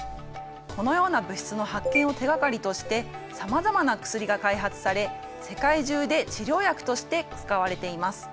このような物質の発見を手がかりとしてさまざまな薬が開発され世界中で治療薬として使われています。